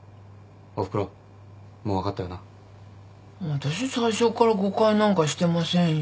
私最初から誤解なんかしてませんよ。